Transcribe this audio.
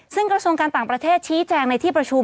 ซึ่งกระทรวงการต่างประเทศชี้แจงในที่ประชุม